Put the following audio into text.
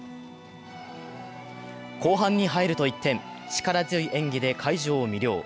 後半に入ると一転、力強い演技で会場を魅了。